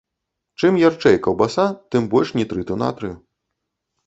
Чым ярчэй каўбаса, тым больш нітрыту натрыю.